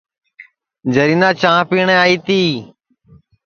جرینا چانٚھ پِیٹؔیں آئی تی